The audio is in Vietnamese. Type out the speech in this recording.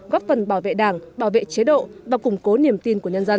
góp phần bảo vệ đảng bảo vệ chế độ và củng cố niềm tin của nhân dân